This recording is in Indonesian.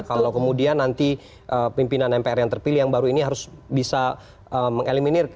kalau kemudian nanti pimpinan mpr yang terpilih yang baru ini harus bisa mengeliminir